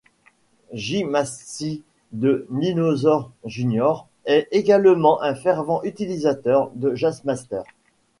J Mascis de Dinosaur Jr est également un fervent utilisateur de Jazzmaster.